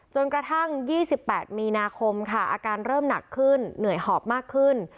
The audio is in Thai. จนกระทั่ง๒๘มีนาคมค่ะอาการเริ่มหนักขึ้นเหนื่อยหอบมากขึ้น